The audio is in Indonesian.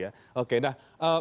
iya oke nah